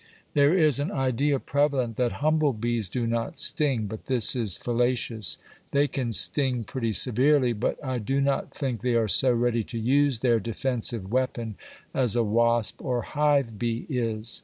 There is an idea prevalent that humble bees do not sting, but this is fallacious. They can sting pretty severely, but I do not think they are so ready to use their defensive weapon as a wasp or hive bee is.